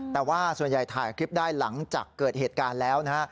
แต่ว่าส่วนใหญ่ถ่ายคลิปได้หลังจากเกิดเหตุการณ์แล้วนะฮะ